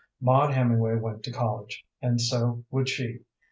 Maud Hemingway went to college, and so would she.